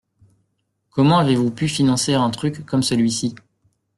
Comment avez-vous pu financer un truc comme celui-ci.